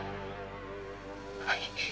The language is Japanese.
はい。